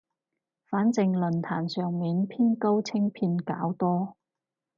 反正論壇上面偏高清片較多